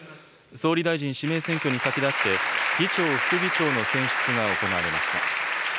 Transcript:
総理大臣指名選挙に先立って、議長、副議長の選出が行われました。